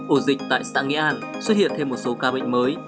ổ dịch tại xã nghĩa an xuất hiện thêm một số ca bệnh mới